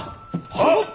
はっ。